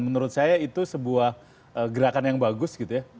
menurut saya itu sebuah gerakan yang bagus